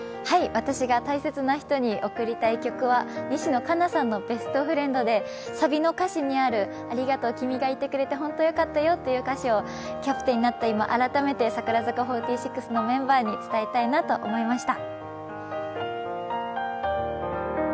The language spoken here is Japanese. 私が大切な人に贈りたい曲は西野カナさんの「ＢｅｓｔＦｒｉｅｎｄ」でサビの歌詞にあるありがとう君がいてくれて本当よかったよっていう歌詞がキャプテンになった今、改めて櫻坂４６のメンバーに伝えたいなと思いました。